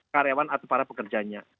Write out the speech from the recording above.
karyawan atau para pekerjanya